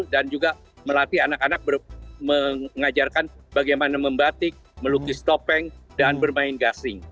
dan juga melatih anak anak mengajarkan bagaimana membatik melukis topeng dan bermain gasing